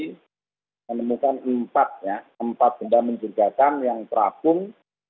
kami menemukan empat benda menjegakkan yang terakung